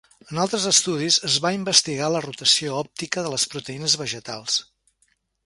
En altres estudis, es va investigar la rotació òptica de les proteïnes vegetals.